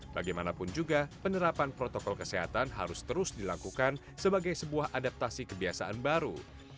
bagaimanapun juga penerapan protokol kesehatan harus terus dilakukan sebagai sebuah adaptasi kebiasaan baru